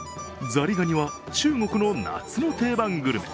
ザリガニは中国の夏の定番グルメ。